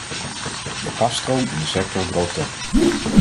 De kasstroom in de sector droogt op.